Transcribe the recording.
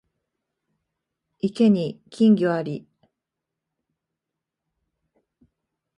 池に金魚あり